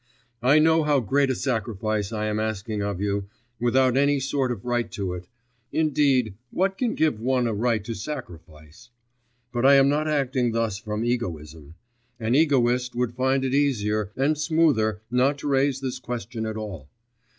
I know how great a sacrifice I am asking of you, without any sort of right to it; indeed, what can give one a right to sacrifice? But I am not acting thus from egoism: an egoist would find it easier and smoother not to raise this question at all.